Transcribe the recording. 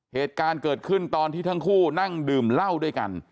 เหตุการณ์เกิดขึ้นตอนที่ทั้งคู่นั่งดื่มเหล้าด้วยกัน